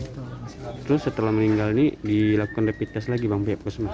terus setelah meninggal ini dilakukan rapid test lagi bang bpos mas